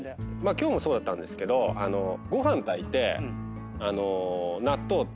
今日もそうだったんですけどご飯炊いて。